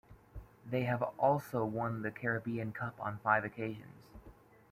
They have also won the Caribbean Cup on five occasions.